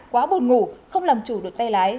quá buồn ngủ không làm chủ đột tay lái